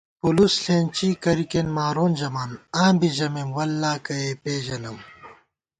پُولُوس ݪېنچی ، کرِیکېن مارون ژمان ، آں بی ژمېم “واللہ کَہ یےپېژَنم”